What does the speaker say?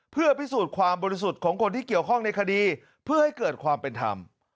เพื่อพิสูจน์ความบริสุทธิ์ของคนที่เกี่ยวข้องในคดีเพื่อให้เกิดความเป็นธรรม